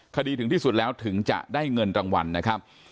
คดีถึงที่สุดแล้วถึงจะได้เงินรางวัลนะครับ